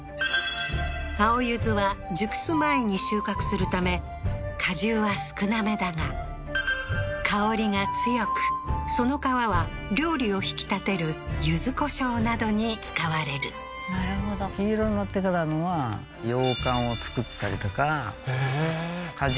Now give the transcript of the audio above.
青柚子は熟す前に収穫するため果汁は少なめだが香りが強くその皮は料理を引き立てる柚子胡椒などに使われるなるほどへえーはあーっていいますけど油味？